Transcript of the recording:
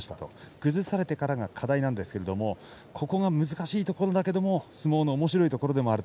崩されてからが課題なんですけれどここが難しいところだけど相撲のおもしろいところでもある。